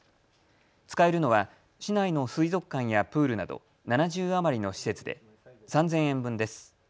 使えるのは市内の水族館やプールなど７０余りの施設で３０００円分です。